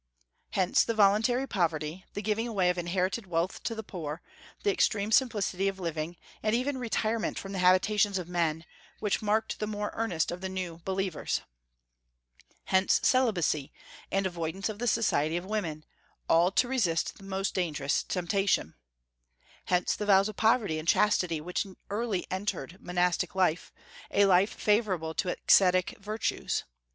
Hence the voluntary poverty, the giving away of inherited wealth to the poor, the extreme simplicity of living, and even retirement from the habitations of men, which marked the more earnest of the new believers. Hence celibacy, and avoidance of the society of women, all to resist most dangerous temptation. Hence the vows of poverty and chastity which early entered monastic life, a life favorable to ascetic virtues.